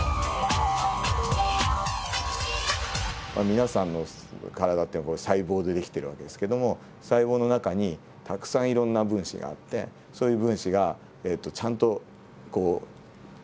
皆さんの体っていうのは細胞で出来ている訳ですけども細胞の中にたくさんいろんな分子があってそういう分子がちゃんと機能しないといけない。